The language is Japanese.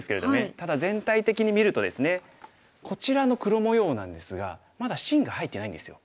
ただ全体的に見るとですねこちらの黒模様なんですがまだ芯が入ってないんですよ。